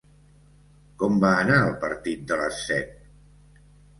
Com va anar el partit de les set?